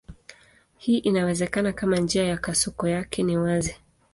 Hii inawezekana kama njia ya kasoko yake ni wazi.